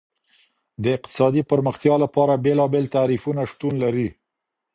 د اقتصادي پرمختيا لپاره بېلابېل تعريفونه شتون لري.